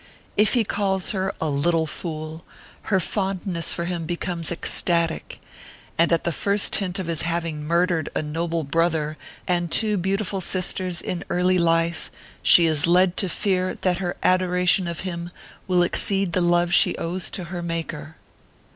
If he calls her a " little fool," her fondness for him becomes ecstatic : and at the first hint of his having murdered a noble brother and two beautiful sisters in early life, she is led to fear that her adoration of him will exceed the love she owes to her Maker